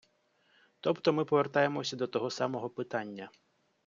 Тобто ми повертаємося до того самого питання.